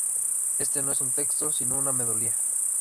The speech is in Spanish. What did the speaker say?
Este no es un texto sino una melodía.